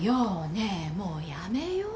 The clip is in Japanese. ねえもうやめようよ。